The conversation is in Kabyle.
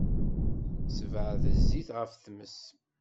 Sebɛed zzit ɣef tmes.